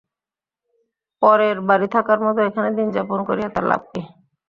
পরের বাড়ি থাকার মতো এখানে দিনযাপন করিয়া তার লাভ কী?